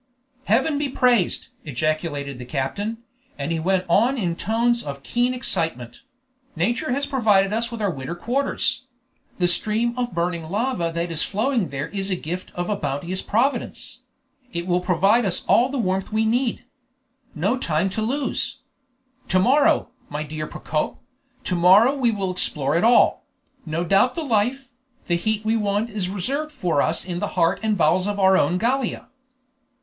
"Heaven be praised!" ejaculated the captain, and he went on in the tones of a keen excitement: "Nature has provided us with our winter quarters; the stream of burning lava that is flowing there is the gift of a bounteous Providence; it will provide us all the warmth we need. No time to lose! To morrow, my dear Procope, to morrow we will explore it all; no doubt the life, the heat we want is reserved for us in the heart and bowels of our own Gallia!"